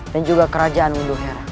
dan juga kerajaan undurhera